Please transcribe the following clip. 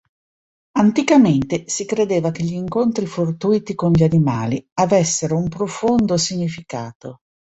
Anticamente si credeva che gli incontri fortuiti con gli animali avessero un profondo significato.